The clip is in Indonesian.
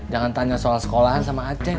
jangan tanya soal sekolahan sama aceh